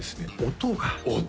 音が音！